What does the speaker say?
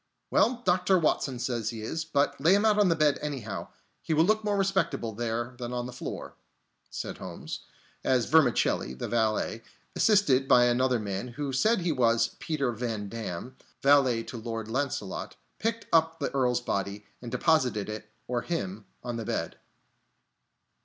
"Well, Dr. Watson says he is. But lay him out on the bed, anyhow, he will look more respectable there than on the floor," said Holmes, as Vermicelli, the valet, assisted by another man, who said he was Peter Van Damm, valet to Lord Launcelot, picked up the Earl's body and deposited it, or him, on the bed.